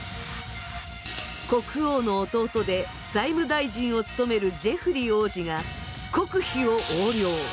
国王の弟で財務大臣を務めるジェフリ王子が国費を横領。